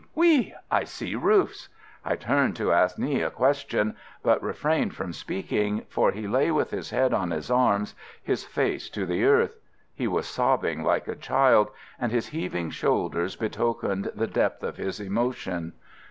oui_ I see roofs!' I turned to ask Nghi a question, but refrained from speaking, for he lay with his head on his arms, his face to the earth. He was sobbing like a child, and his heaving shoulders betokened the depth of his emotion."